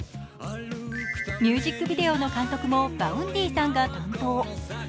ミュージックビデオの監督もＶａｕｎｄｙさんが担当。